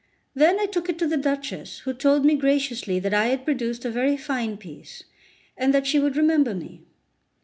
Then I took it to the Duchess, who told me graciously that I had produced a very fine piece, and that she would remember me.